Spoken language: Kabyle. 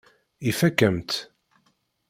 Ifakk-am-tt.